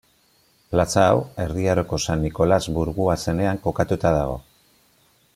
Plaza hau Erdi Aroko San Nikolas burgua zenean kokatua dago.